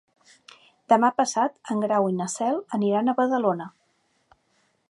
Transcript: Demà passat en Grau i na Cel aniran a Badalona.